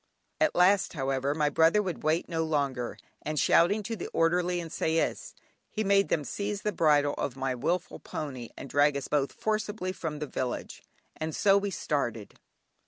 At last however, my brother would wait no longer, and shouting to the orderly and sais, he made them seize the bridle of my wilful pony, and drag us both forcibly from the village. And so we started.